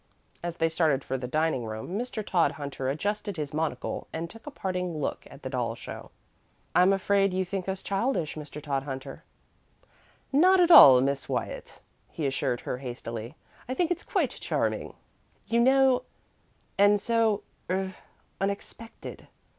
As they started for the dining room Mr. Todhunter adjusted his monocle and took a parting look at the doll show. "I'm afraid you think us childish, Mr. Todhunter," said Patty. "Not at all, Miss Wyatt," he assured her hastily. "I think it quite charming, you know, and so er unexpected.